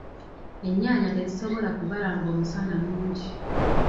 Ennyaanya tezisobola kubala ng'omusana mungi.